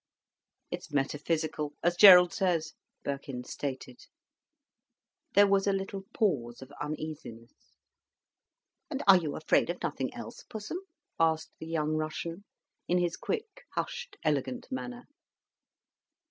"It's metaphysical, as Gerald says," Birkin stated. There was a little pause of uneasiness. "And are you afraid of nothing else, Pussum?" asked the young Russian, in his quick, hushed, elegant manner.